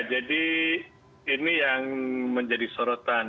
ini yang menjadi sorotan